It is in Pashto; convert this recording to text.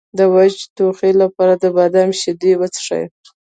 د وچ ټوخي لپاره د بادام شیدې وڅښئ